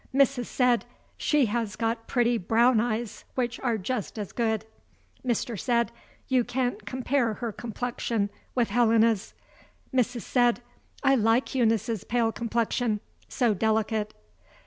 Mrs. said; "She has got pretty brown eyes, which are just as good." Mr. said: "You can't compare her complexion with Helena's." Mrs. said: "I like Eunice's pale complexion. So delicate."